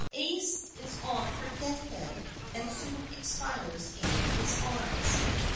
Aase is on her death bed, and soon expires in his arms.